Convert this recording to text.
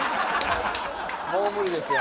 もう無理ですよ。